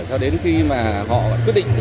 cho đến khi họ quyết định